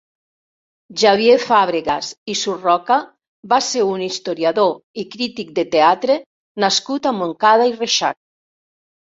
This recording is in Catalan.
Xavier Fàbregas i Surroca va ser un historiador i crític de teatre nascut a Montcada i Reixac.